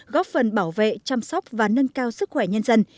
góp phần bảo vệ chăm sóc và nâng cao sức khỏe nhân dân